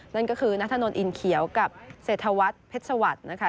นั่นก็คือนัทธนนทอินเขียวกับเศรษฐวัฒน์เพชรสวัสดิ์นะคะ